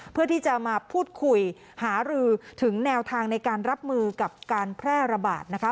เพื่อที่จะมาพูดคุยหารือถึงแนวทางในการรับมือกับการแพร่ระบาดนะคะ